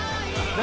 何？